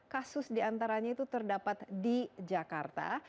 enam ratus lima puluh kasus diantaranya terdapat di jakarta